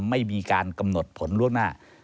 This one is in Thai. ไม่มีการกำหนดผลล่วงหน้า